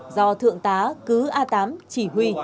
do thượng tá cứ a tám chỉ huy